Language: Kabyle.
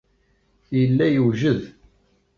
Yella yewjed.